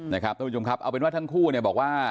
ท่านผู้ชมครับเอาเป็นว่าทั้งคู่เนี่ยบอกว่า